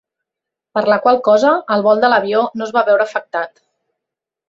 Per la qual cosa, el vol de l'avió no es va veure afectat.